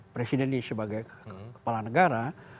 presiden ini sebagai kepala negara